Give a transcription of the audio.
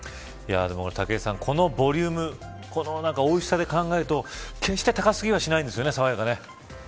武井さん、このボリュームこのおいしさで考えると決して高過ぎはしないんですよね。